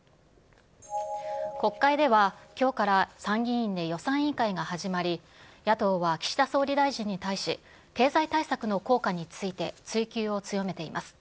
国会では、きょうから参議院で予算委員会が始まり、野党は岸田総理大臣に対し、経済対策の効果について追及を強めています。